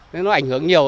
nó ảnh hưởng nhiều